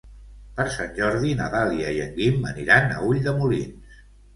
Per Sant Jordi na Dàlia i en Guim aniran a Ulldemolins.